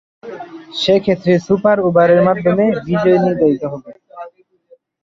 সেক্ষেত্রে সুপার ওভারের মাধ্যমে বিজয়ী নির্ধারিত হবে।